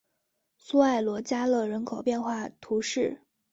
苏埃罗加勒人口变化图示